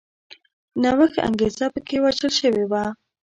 نوښت انګېزه په کې وژل شوې وه